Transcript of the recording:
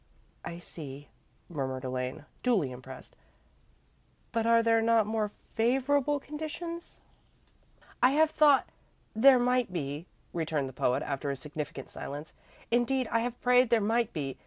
"I see," murmured Elaine, duly impressed, "but are there not more favourable conditions?" "I have thought there might be," returned the poet, after a significant silence, "indeed, I have prayed there might be.